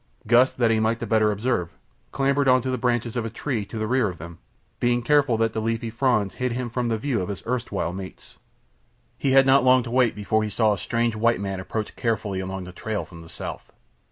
Gust, that he might the better observe, clambered into the branches of a tree to the rear of them, being careful that the leafy fronds hid him from the view of his erstwhile mates. He had not long to wait before he saw a strange white man approach carefully along the trail from the south.